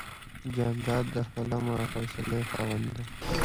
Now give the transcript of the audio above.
جانداد د حلم او حوصلې خاوند دی.